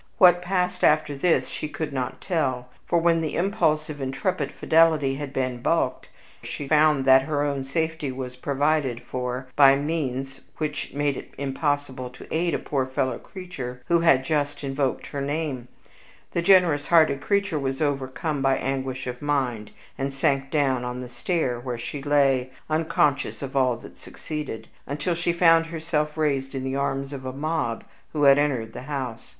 What passed after this she could not tell; for, when the impulse of intrepid fidelity had been balked, and she found that her own safety was provided for by means which made it impossible to aid a poor fellow creature who had just invoked her name, the generous hearted creature was overcome by anguish of mind, and sank down on the stair, where she lay, unconscious of all that succeeded, until she found herself raised in the arms of a mob who had entered the house.